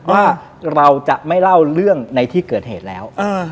ว่าเราจะไม่เล่าเรื่องในที่เกิดเหตุแล้ว